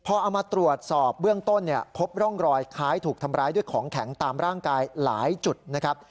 พอเอามาตรวจสอบเบื้องต้นเนี่ยพบร่องรอยคล้ายถูกทำร้ายด้วยของแข็งตามร่างกายหลายจุดนะครับ